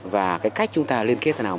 và cách chúng ta liên kết là nào